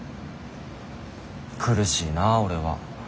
苦しいな俺は。